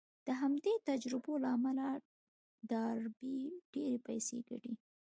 د همدې تجربو له امله ډاربي ډېرې پيسې ګټي.